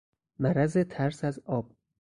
مرض ترس از آب